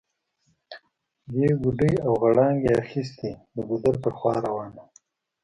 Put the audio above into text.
دې ګوډی او غړانګۍ اخيستي، د ګودر پر خوا روانه وه